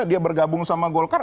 dia bergabung sama golkar